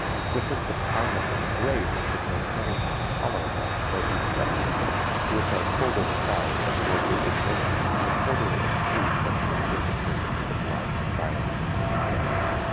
Difference of climate and of race would make many things tolerable, or even reputable, which our colder skies and more rigid notions would totally exclude from the observances of civilized society.